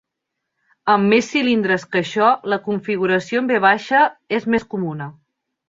Amb més cilindres que això, la configuració en V és més comuna.